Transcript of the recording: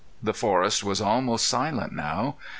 The forest was almost silent now.